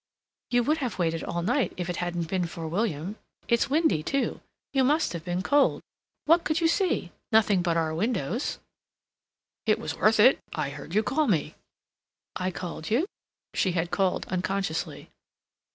"You would have waited all night if it hadn't been for William. It's windy too. You must have been cold. What could you see? Nothing but our windows." "It was worth it. I heard you call me." "I called you?" She had called unconsciously.